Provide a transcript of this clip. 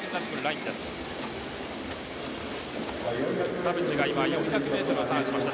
田渕が今４００ｍをターンしました。